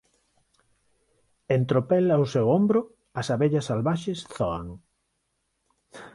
En tropel ao seu ombro as abellas salvaxes zoan.